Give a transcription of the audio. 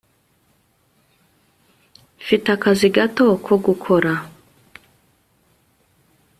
mfite akazi gato ko gukora